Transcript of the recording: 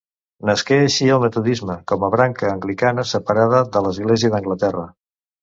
Nasqué així el metodisme com a branca anglicana separada de l'Església d'Anglaterra.